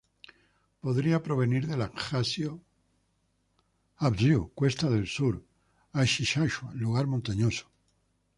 Podría provenir del abjasio: Аахыц, "cuesta del sur", Ахуаца, "lugar montañoso".